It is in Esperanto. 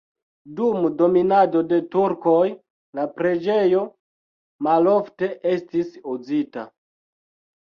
Dum dominado de turkoj la preĝejo malofte estis uzita.